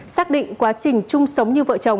xác định quá trình chung sống như vợ chồng